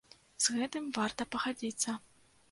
З гэтым варта пагадзіцца.